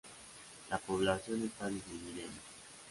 La población está disminuyendo.